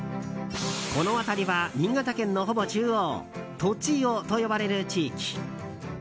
この辺りは新潟県のほぼ中央栃尾と呼ばれる地域。